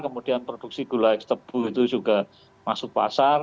kemudian produksi gula ekstebu itu juga masuk pasar